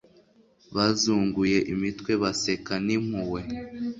bazunguye imitwe, baseka n'impuhwe! ..